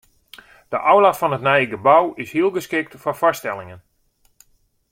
De aula fan it nije gebou is hiel geskikt foar foarstellingen.